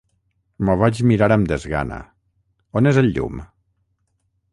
M'ho vaig mirar amb desgana. On és el llum?